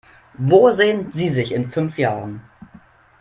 Wo sehen Sie sich in fünf Jahren?